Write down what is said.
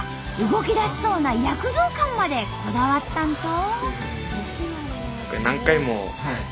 動きだしそうな躍動感までこだわったんと！